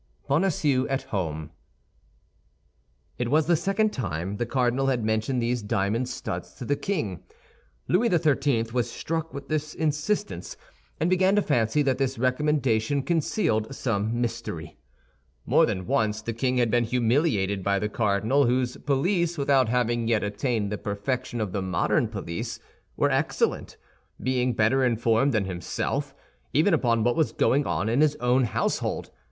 BONACIEUX AT HOME It was the second time the cardinal had mentioned these diamond studs to the king. Louis XIII. was struck with this insistence, and began to fancy that this recommendation concealed some mystery. More than once the king had been humiliated by the cardinal, whose police, without having yet attained the perfection of the modern police, were excellent, being better informed than himself, even upon what was going on in his own household.